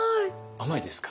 甘いですか？